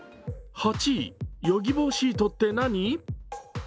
８位、ヨギボーシートって何？